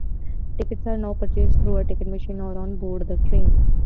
Tickets are now purchased through a ticket machine or on board the train.